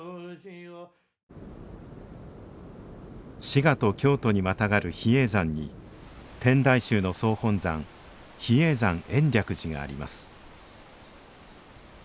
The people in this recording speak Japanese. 滋賀と京都にまたがる比叡山に天台宗の総本山比叡山延暦寺があります